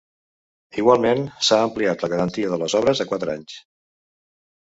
Igualment, s’ha ampliat la garantia de les obres a quatre anys.